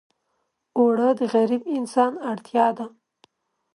اوړه د غریب انسان اړتیا ده